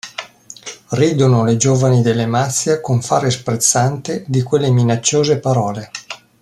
Ridono le giovani dell'Emazia, con fare sprezzante, di quelle minacciose parole.